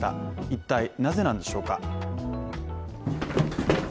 一体なぜなんでしょうか。